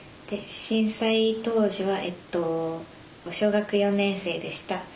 震災当時はえっと小学４年生でした。